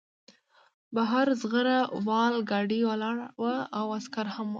بهر زغره وال ګاډی ولاړ و او عسکر هم وو